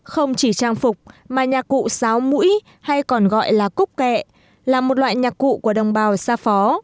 không chỉ trang phục mà nhạc cụ sáo mũi hay còn gọi là cúc kẹ là một loại nhạc cụ của đồng bào xa phó